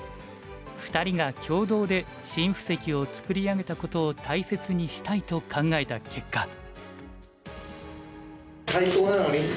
２人が共同で新布石を作り上げたことを大切にしたいと考えた結果。